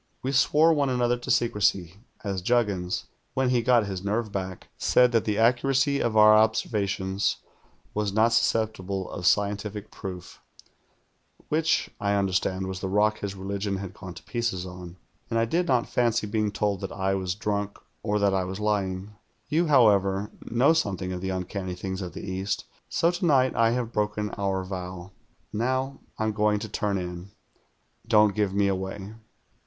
"We swore one another to secrecy as Juggins, when he got his nerve back, said that the accuracy of our observations was not susceptible of scientific proof, which, I understand, was the rock his religion had gone to pieces on; and I did not fancy being told that I was drunk or that I was lying. You, however, know something of the uncanny things of the East, so to night I have broken our vow. Now I'm going to turn in. Don't give me away."